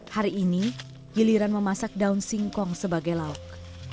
hari ini giliran memasak daun singkong sebagai lauk